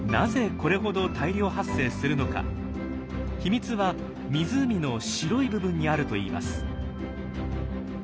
秘密は湖の白い部分にあるといいます。